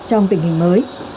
trong tình hình mới